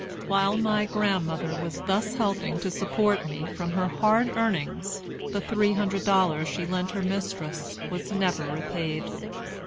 While my grandmother was thus helping to support me from her hard earnings, the three hundred dollars she lent her mistress was never repaid.